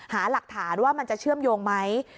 หาหลักฐานว่ามันจะเชื่อมโยงไหม